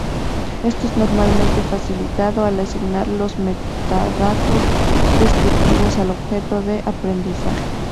Esto es normalmente facilitado al asignar los metadatos descriptivos al objeto de aprendizaje.